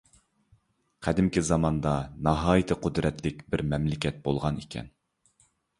قەدىمكى زاماندا ناھايىتى قۇدرەتلىك بىر مەملىكەت بولغان ئىكەن.